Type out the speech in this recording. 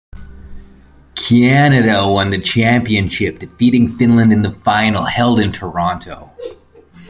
Canada won the championship, defeating Finland in the final, held in Toronto.